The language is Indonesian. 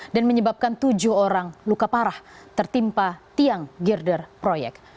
dan menyebabkan tujuh orang luka parah tertimpa tiang girder proyek